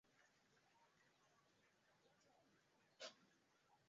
Ameteuliwa kuchukua nafasi ya Biswalo Mganga ambaye ameteuliwa kuwa jaji wa Mahakama Kuu